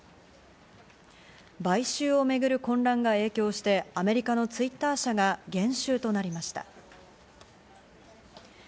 買収を巡る混乱が影響して、アメリカのＴｗｉｔｔｅｒ社が減収となりました。